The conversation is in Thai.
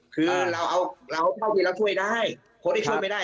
คือเราเอาเราเท่าที่เราช่วยได้คนที่ช่วยไม่ได้